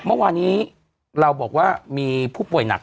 เมื่อวานี้เราบอกว่ามีผู้ป่วยหนัก